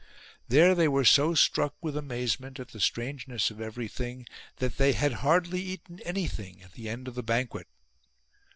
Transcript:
There they were so struck with amaze ment at the strangeness of everything that they had hardly eaten anything at the end of the banquet.